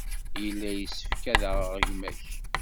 Yella yessefk ad aɣeɣ gma-k.